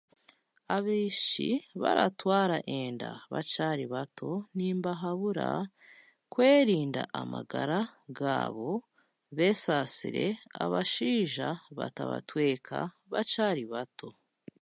Abaishiki abaratwara enda bakyari bato nimbahabura kwerinda amagara gaabo, beeshasire abashaija batabatweka bakayari bato.